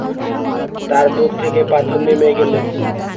তাঁর বুক থেকে পাথর নেমে গেল।